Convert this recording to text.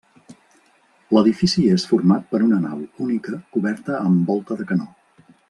L'edifici és format per una nau única coberta amb volta de canó.